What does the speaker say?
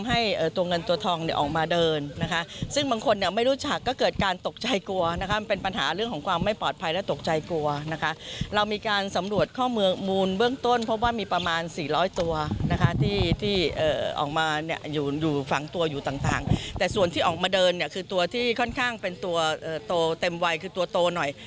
ช่างเป็นตัวโตเต็มวัยคือตัวโตหน่อย